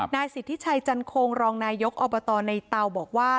นายสิทธิชัยจันโคงรองนายกอบตในเตาบอกว่า